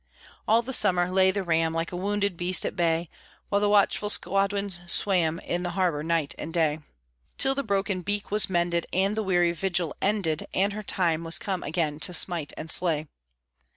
All the summer lay the ram, Like a wounded beast at bay, While the watchful squadron swam In the harbor night and day, Till the broken beak was mended, and the weary vigil ended, And her time was come again to smite and slay.